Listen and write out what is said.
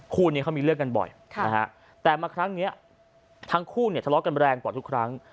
คู่นี้เขามีเรื่องกันบ่อยนะฮะแต่มาครั้งนี้ทั้งคู่เนี่ยทะเลาะกันแรงกว่าทุกครั้ง